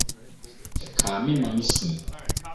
ɛkaa me ma misui.